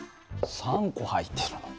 ３個入っているの。